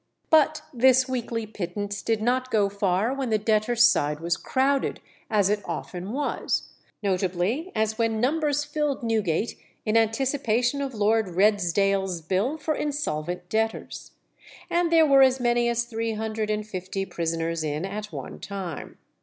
But this weekly pittance did not go far when the debtors' side was crowded, as it often was; notably as when numbers filled Newgate in anticipation of Lord Redesdale's bill for insolvent debtors, and there were as many as three hundred and fifty prisoners in at one time.